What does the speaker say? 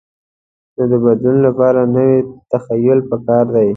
نو د بدلون لپاره نوی تخیل پکار دی.